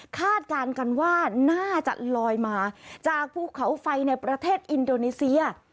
การกันว่าน่าจะลอยมาจากภูเขาไฟในประเทศอินโดนีเซีย